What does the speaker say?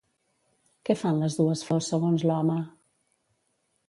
Què fan les dues flors segons l'home?